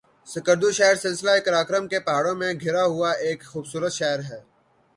سکردو شہر سلسلہ قراقرم کے پہاڑوں میں گھرا ہوا ایک خوبصورت شہر ہے